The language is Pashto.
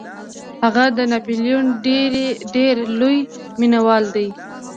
هغه د ناپلیون ډیر لوی مینوال دی.